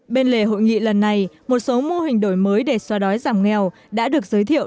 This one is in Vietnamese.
bên lề hội nghị lần này một số mô hình đổi mới để xóa đói giảm nghèo đã được giới thiệu